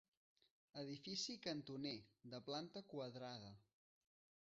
Edifici cantoner, de planta quadrada.